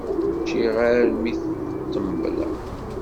Ččiɣ armi ṭembleɣ!